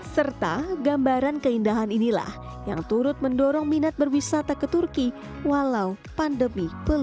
serta gambaran keindahan inilah yang turut mendorong minat berwisata ke turki walau pandemi belum berakhir